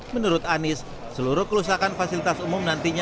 menurut anies seluruh kerusakan fasilitas umum nantinya